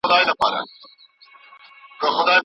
زما له خپل منبره پورته زما د خپل بلال آذان دی